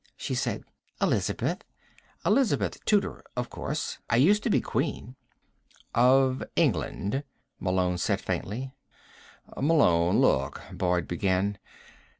she said. "Elizabeth. Elizabeth Tudor, of course. I used to be Queen." "Of England," Malone said faintly. "Malone, look " Boyd began.